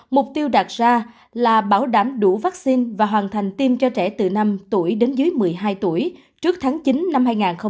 mục tiêu đạt ra là bảo đảm đủ vaccine và hoàn thành tiêm cho trẻ từ năm tuổi đến dưới một mươi hai tuổi trước tháng chín năm hai nghìn hai mươi